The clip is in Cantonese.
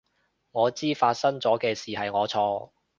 我知發生咗嘅事係我錯